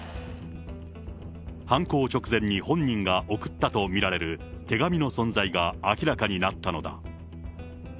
犯行直前に本人が送ったと見られる手紙の存在が明らかになったのだ。